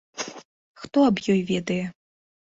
Хто аб ёй ведае?